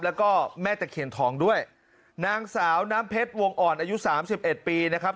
แล้วก็แม่ตะเคียนทองด้วยนางสาวน้ำเพชรวงอ่อนอายุสามสิบเอ็ดปีนะครับ